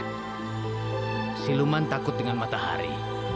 gunung lembu takut dengan matahari